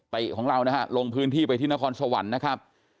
ติของเรานะฮะลงพื้นที่ไปที่นครสวรรค์นะครับ